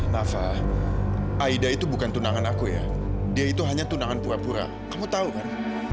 nafa aida itu bukan tunangan aku ya dia itu hanya tunangan pura pura kamu tahu kan